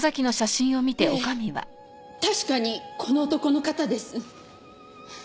ええ確かにこの男の方です。